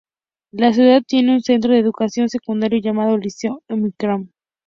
La ciudad tiene un centro de educación secundaria llamado Liceo Amílcar Cabral.